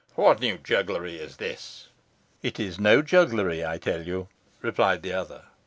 "What new jugglery is this?" "It is no jugglery, I tell you," replied the other.